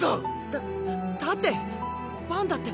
だだってバンだって。